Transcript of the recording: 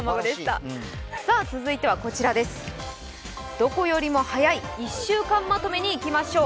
どこよりも早い１週間まとめにいきましょう。